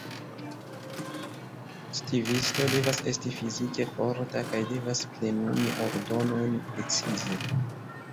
Stivisto devas esti fizike forta kaj devas plenumi ordonojn precize.